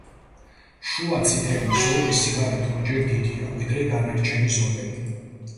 შუა წითელი ზოლი სიგანით ორჯერ დიდია, ვიდრე დანარჩენი ზოლები.